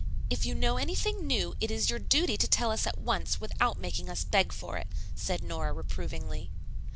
"If you know anything new, it is your duty to tell us at once, without making us beg for it," said Nora reprovingly.